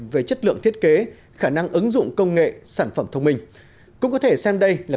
về chất lượng thiết kế khả năng ứng dụng công nghệ sản phẩm thông minh cũng có thể xem đây là